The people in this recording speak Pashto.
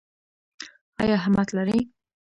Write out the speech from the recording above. ایا همت لرئ؟